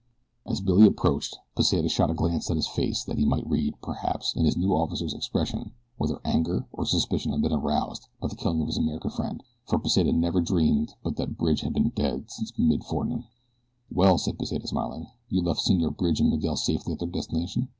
As Billy approached Pesita shot a quick glance at his face, that he might read, perhaps, in his new officer's expression whether anger or suspicion had been aroused by the killing of his American friend, for Pesita never dreamed but that Bridge had been dead since mid forenoon. "Well," said Pesita, smiling, "you left Senor Bridge and Miguel safely at their destination?"